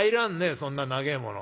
そんな長えもの。